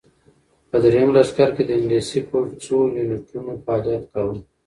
په درېیم لښکر کې د انګلیسي پوځ څو یونیټونو فعالیت کاوه.